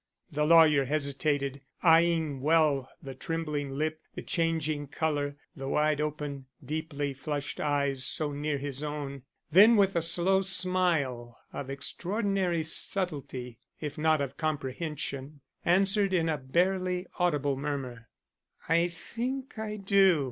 The lawyer hesitated, eying well the trembling lip, the changing color, the wide open, deeply flushed eyes so near his own; then with a slow smile of extraordinary subtlety, if not of comprehension, answered in a barely audible murmur: "I think I do.